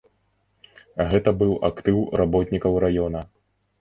Гэта быў актыў работнікаў раёна.